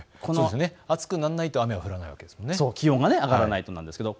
暑くならないと雨が降らないんですもんね。